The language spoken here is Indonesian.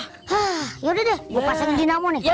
hah ya udah deh gua pasangin dinamo nih